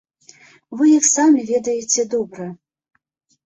Вы іх самі ведаеце добра.